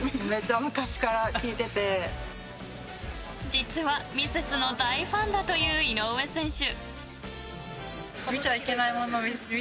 実はミセスの大ファンだという井上選手。